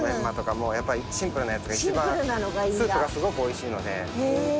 もうやっぱりシンプルなやつがいちばんスープがすごくおいしいので。